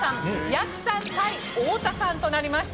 やくさん対太田さんとなりました。